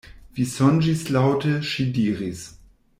Vi sonĝis laŭte, ŝi diris.